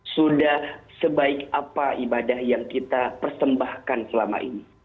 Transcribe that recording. sudah sebaik apa ibadah yang kita persembahkan selama ini